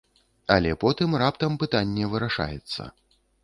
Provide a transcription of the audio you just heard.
Але потым раптам пытанне вырашаецца.